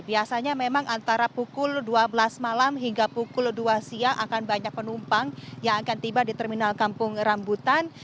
biasanya memang antara pukul dua belas malam hingga pukul dua siang akan banyak penumpang yang akan tiba di terminal kampung rambutan